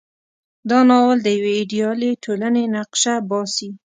دا ناول د یوې ایډیالې ټولنې نقشه باسي.